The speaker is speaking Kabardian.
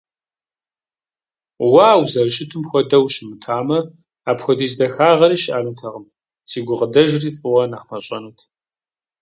Уэ а узэрыщытым хуэдэу ущымытамэ, апхуэдиз дахагъэри щыӀэнутэкъым, си гукъыдэжри фӀыуэ нэхъ мащӀэнут.